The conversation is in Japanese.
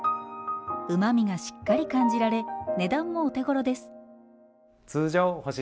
うまみがしっかり感じられ値段もお手ごろです。